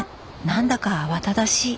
何だか慌ただしい。